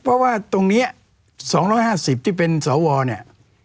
เพราะว่าตรงนี้๒๕๐ที่เป็นสวเนี่ย